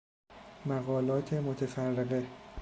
مقالات متفرقه